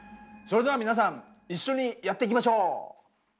それでは皆さん一緒にやっていきましょう！